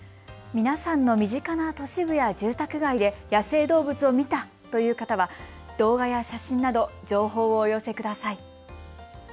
皆さんの身近な都市部や住宅街で野生動物を見たという方は動画や写真など情報をお寄せください。